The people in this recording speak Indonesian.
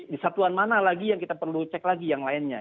di satuan mana lagi yang kita perlu cek lagi yang lainnya